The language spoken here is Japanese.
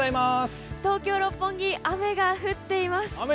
東京・六本木雨が降っています。